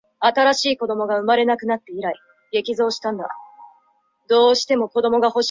但这次传位并没有得到国际承认。